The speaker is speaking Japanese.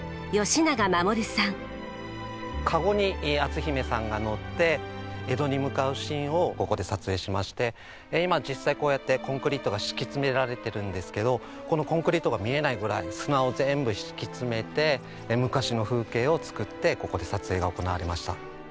かごに篤姫さんが乗って江戸に向かうシーンをここで撮影しまして今実際こうやってコンクリートが敷き詰められてるんですけどこのコンクリートが見えないぐらい砂を全部敷き詰めて昔の風景を作ってここで撮影が行われました。